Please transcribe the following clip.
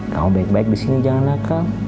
kamu baik baik di sini jangan nakal